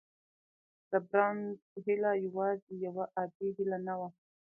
د بارنس هيله يوازې يوه عادي هيله نه وه.